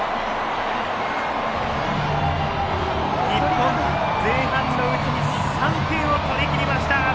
日本、前半のうちに３点を取りきりました！